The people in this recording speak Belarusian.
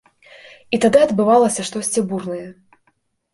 І тады адбывалася штосьці бурнае.